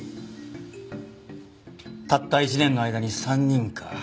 たった１年の間に３人か。